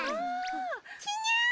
ちにゃー。